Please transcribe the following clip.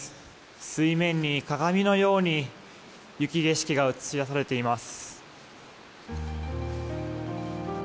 水面に鏡のように雪景色が映し出されています。